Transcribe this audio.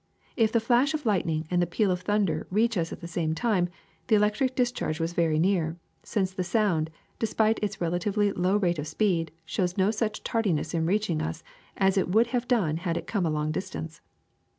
If the flash of lightning and the peal of thunder reach us at the same time, the electric discharge was very near, since the sound, despite its relatively low rate of speed, shows no such tardiness in reaching us as it would have done had it come a long distance.